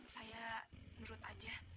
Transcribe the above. saya menurut aja